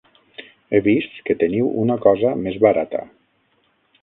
He vist que teniu una cosa més barata.